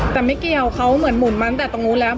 แต่ไม่เกี่ยวเขาเหมือนหมุนมาตั้งแต่ตรงนู้นแล้ว